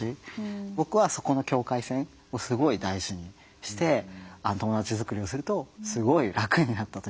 僕はそこの境界線をすごい大事にして友達づくりをするとすごい楽になったというか。